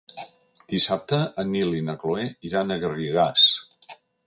Dissabte en Nil i na Cloè iran a Garrigàs.